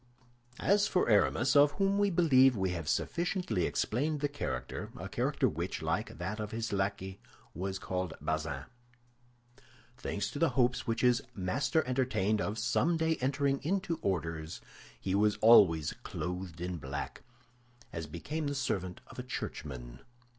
As for Aramis, of whom we believe we have sufficiently explained the character—a character which, like that of his companions, we shall be able to follow in its development—his lackey was called Bazin. Thanks to the hopes which his master entertained of someday entering into orders, he was always clothed in black, as became the servant of a churchman.